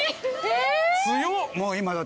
強っ！